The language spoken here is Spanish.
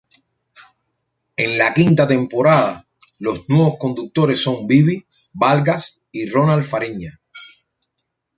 En la quinta temporada los nuevos conductores son Bibi Vargas y Ronald Farina.